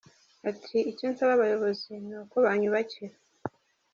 Ati :« Icyo nsaba abayobozi ni uko banyubakira ».